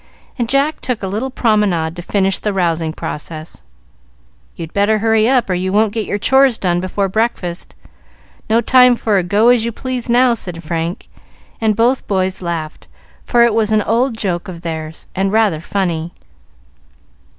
and Jack took a little promenade to finish the rousing process. "You'd better hurry up, or you won't get your chores done before breakfast. No time for a 'go as you please' now," said Frank; and both boys laughed, for it was an old joke of theirs, and rather funny.